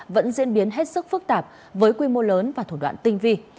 vẫn diễn biến hết sức phức tạp với quy mô lớn và thủ đoạn tinh vi